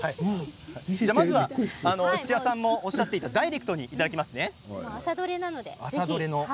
土屋さんがおっしゃっていたダイレクトにいただきます。